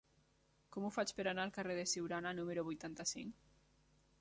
Com ho faig per anar al carrer de Siurana número vuitanta-cinc?